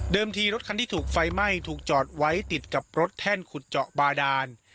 ทีรถคันที่ถูกไฟไหม้ถูกจอดไว้ติดกับรถแท่นขุดเจาะบาดาน